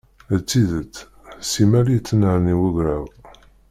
D tidet, s imal yettnerni wegraw.